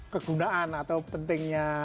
kegunaan atau pentingnya